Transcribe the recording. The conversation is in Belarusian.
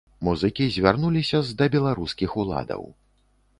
Музыкі звярнуліся з да беларускіх уладаў.